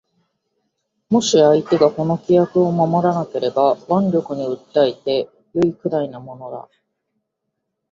もし相手がこの規約を守らなければ腕力に訴えて善いくらいのものだ